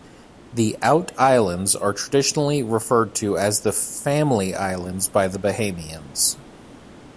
The Out Islands are traditionally referred to as the Family Islands by the Bahamians.